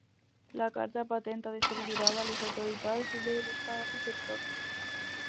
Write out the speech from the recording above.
La carta patent ha de ser lliurada a les autoritats de l'estat receptor.